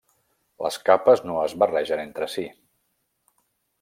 Les capes no es barregen entre si.